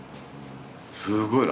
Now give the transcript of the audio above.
すごいの。